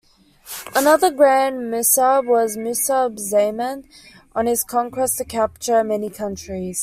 Another Grand Musab was Musab Zaman, on his conquest to capture many countries.